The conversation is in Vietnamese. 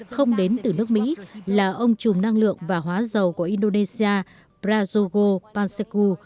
không đến từ nước mỹ là ông chùm năng lượng và hóa dầu của indonesia brazogo paseku